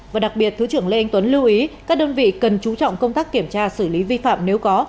và đặc biệt thứ trưởng lê anh tuấn lưu ý các đơn vị cần chú trọng công tác kiểm tra xử lý vi phạm nếu có